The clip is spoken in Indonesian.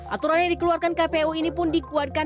aturan yang dikeluarkan kpu ini pun dikuatkan